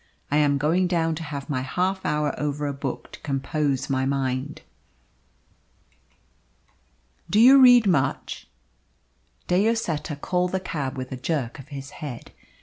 I am going down to have my half hour over a book to compose my mind." "Do you read much?" De Lloseta called the cab with a jerk of his head.